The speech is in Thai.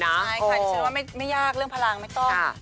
ใช่ค่ะดิฉันว่าไม่ยากเรื่องพลังไม่ต้อง